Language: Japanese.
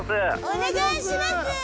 お願いします！